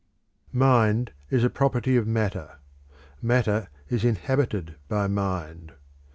Mind is a property of matter. Matter is inhabited by mind.